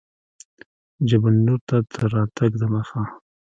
جبل النور ته تر راتګ دمخه.